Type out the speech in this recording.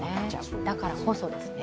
だからこそですよね。